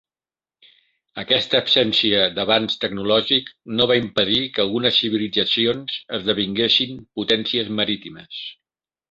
Aquesta absència d'avanç tecnològic no va impedir que algunes civilitzacions esdevinguessin potències marítimes.